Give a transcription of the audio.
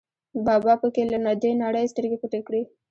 بابا په کې له دې نړۍ سترګې پټې کړې.